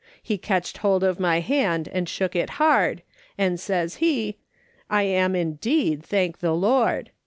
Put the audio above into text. He catched hold of my hand and shook it hard, and says he :"' I am indeed, thank the Lord.'